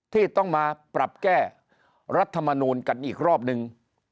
ที่ต้องมาปรับแก้รัฐมนูลกันอีกรอบนึง